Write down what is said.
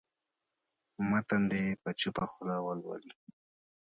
متن دې په چوپه خوله ولولي.